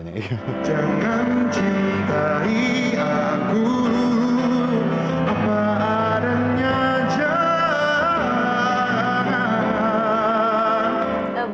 hidup jangan cintai aku apa adanya jahat